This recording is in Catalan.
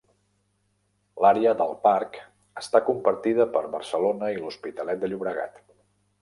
L'àrea del parc està compartida per Barcelona i l'Hospitalet de Llobregat.